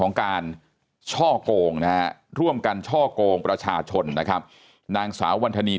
ของการช่อโกงร่วมกันช่อโกงประชาชนนะครับนางสวรรค์วลธนีย์